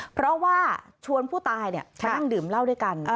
เพราะว่าชวนผู้ตายมานั่งดื่มเหล้าด้วยกัน